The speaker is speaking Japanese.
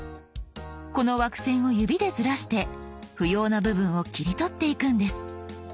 この枠線を指でずらして不要な部分を切り取っていくんです。